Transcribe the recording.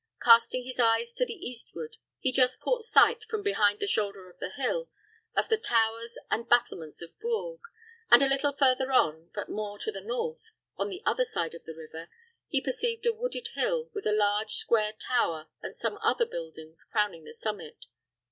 Casting his eyes to the eastward, he just caught sight, from behind the shoulder of the hill, of the towers and battlements of Bourges; and a little further on, but more to the north, on the other side of the river, he perceived a wooded hill, with a large, square tower and some other buildings, crowning the summit.